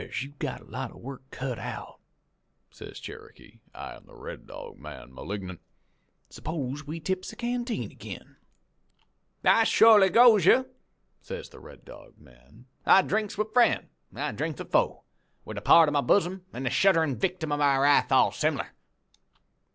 "'As you've got a lot of work cut out,' says Cherokee, eyein' the Red Dog man malignant, 's'pose we tips the canteen ag'in.' "'I shorely goes you,' says the Red Dog man. 'I drinks with friend, an' I drinks with foe; with the pard of my bosom an' the shudderin' victim of my wrath all sim'lar.'